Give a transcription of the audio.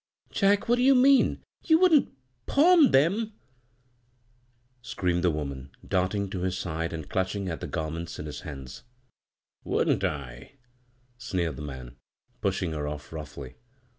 " Jack, what do you mean ? You wouldn't — pawn them 1 " screamed the woman, dart ing to his side and clutching at the garments in his hands. "Wouldn't I?" sneered the man, pushing her off roughly.